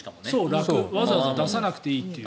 わざわざ出さなくていいという。